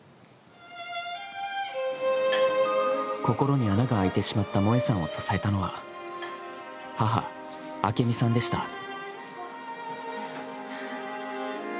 心に穴が開いてしまった萌江さんを支えたのは、母・明美さんでした。